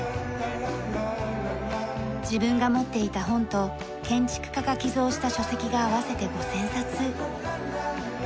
自分が持っていた本と建築家が寄贈した書籍が合わせて５０００冊。